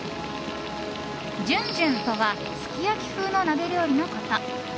じゅんじゅんとはすき焼き風の鍋料理のこと。